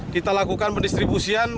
kita lakukan pendistribusian